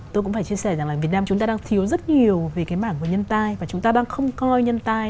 tôi cũng phải chia sẻ rằng là việt nam chúng ta đang thiếu rất nhiều về cái mảng của nhân tai và chúng ta đang không coi nhân tai